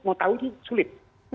mau tahu itu sulit